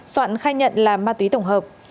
soạn khai nhận là ma túy tổng hợp